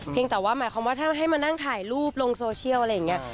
แต่ว่าหมายความว่าถ้าให้มานั่งถ่ายรูปลงโซเชียลอะไรอย่างนี้